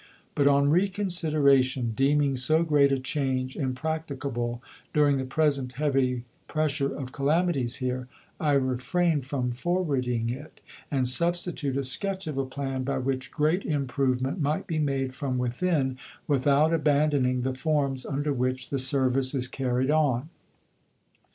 But, on reconsideration, deeming so great a change impracticable during the present heavy pressure of calamities here, I refrain from forwarding it, and substitute a sketch of a plan, by which great improvement might be made from within, without abandoning the forms under which the service is carried on....